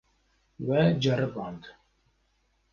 We ceriband.